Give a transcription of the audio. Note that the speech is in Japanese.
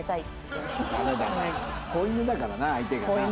子犬だからな相手がな。